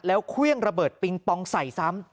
แล้วเครื่องระเบิดปิงปองใส่ซ้ำ